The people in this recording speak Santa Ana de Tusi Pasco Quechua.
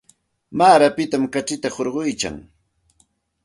Maaraspitam kachita hurquyan.